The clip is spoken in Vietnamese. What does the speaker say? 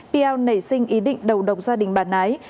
pio nảy sinh ý định đầu độc gia đình bà nái